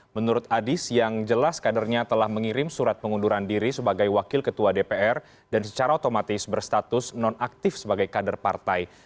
menurut adis yang jelas kadernya telah mengirim surat pengunduran diri sebagai wakil ketua dpr dan secara otomatis berstatus non aktif sebagai kader partai